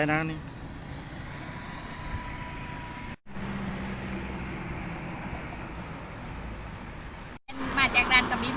วันนี้ที่กลับมากกว่าประกอบของ